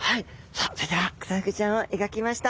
さあそれではクサフグちゃんを描きました。